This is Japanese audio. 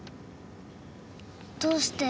どうして？